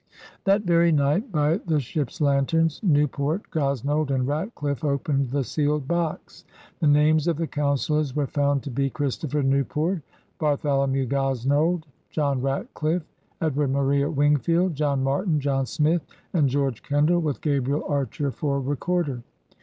That very night, by the ships' lanterns, Newport, Gosnold, and Ratdiffe opened the sealed box. The names of the councilors were found to be Christopher Newport, Bartholomew Gosnold, John Ratdiffe, Edward Maria Wingfield, John Martin, John Smith, and George Kendall, with Gabriel Archer for recorder.